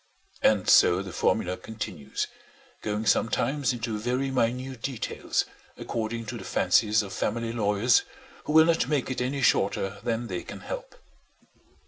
And so the formula continues, going sometimes into very minute details, according to the fancies of family lawyers, who will not make it any shorter than they can help.